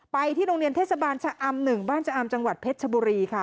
ไปที่โรงเรียนเทศบาลชะอำ๑บ้านชะอำจังหวัดเพชรชบุรีค่ะ